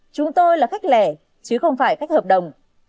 chúng tôi là khách lẻ chứ không phải khách hợp đồng